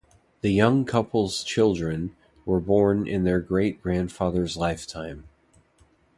The young couple's children, were born in their great-grandfather's lifetime.